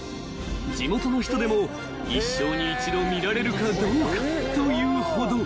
［地元の人でも一生に一度見られるかどうかというほど］